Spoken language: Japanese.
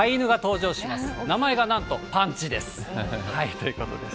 ということです。